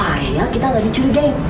oke ya kita gak dicurigai oke